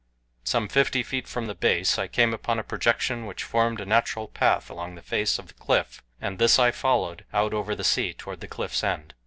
Some fifty feet from the base I came upon a projection which formed a natural path along the face of the cliff, and this I followed out over the sea toward the cliff's end.